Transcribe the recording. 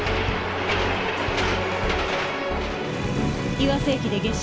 岩瀬駅で下車。